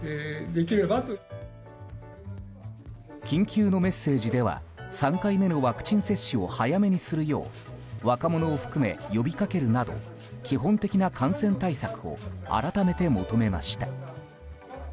緊急のメッセージでは３回目のワクチン接種を早めにするよう若者を含め、呼び掛けるなど基本的な感染対策を改めて求めました。